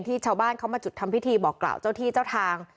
ชาวบ้านเขามาจุดทำพิธีบอกกล่าวเจ้าที่เจ้าทาง